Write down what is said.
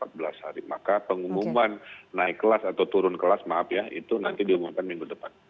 jadi kalau ada yang mengumuman naik kelas atau turun kelas maaf ya itu nanti diumumkan minggu depan